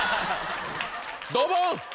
ドボン！